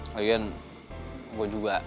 lagian gue juga